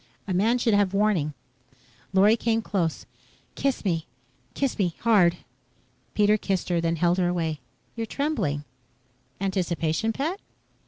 "A man should have warning." Lorry came close. "Kiss me. Kiss me hard." Pete kissed her, then held her away. "You're trembling. Anticipation, pet?"